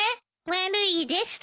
悪いです。